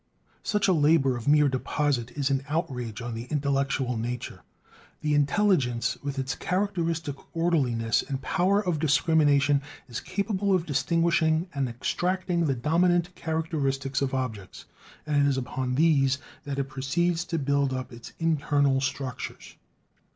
Such a labor of mere "deposit" is an outrage on the intellectual nature. The intelligence, with its characteristic orderliness and power of discrimination, is capable of distinguishing and extracting the dominant characteristics of objects, and it is upon these that it proceeds to build up its internal structures.